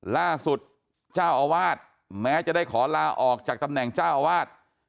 ล่าสุดเจ้าอาวาสแม้จะได้ขอลาออกจากตำแหน่งเจ้าอาวาส